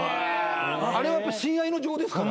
あれは親愛の情ですから。